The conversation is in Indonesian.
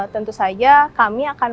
tentu saja kami akan